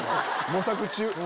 模索中。